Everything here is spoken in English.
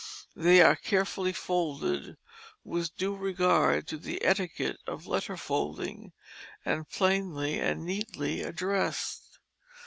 They are carefully folded with due regard to the etiquette of letter folding, and plainly and neatly addressed.